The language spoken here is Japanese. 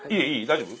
大丈夫？